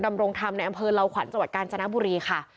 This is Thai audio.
ดำรงธรรมในอำเภอเหล้าขวัญจจนบุรีค่ะ